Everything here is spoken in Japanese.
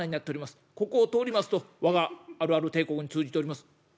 ここを通りますと我があるある帝国に通じております」。